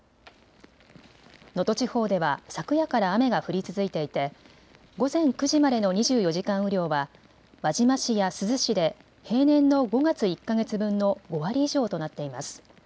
能登地方では昨夜から雨が降り続いていて午前９時までの２４時間雨量は輪島市や珠洲市で平年の５月１か月分の５割以上となっています。